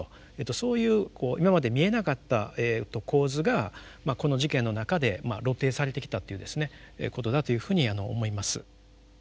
そういうこう今まで見えなかった構図がこの事件の中で露呈されてきたっていうですねことだというふうに思います。